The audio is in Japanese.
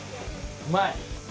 うまい。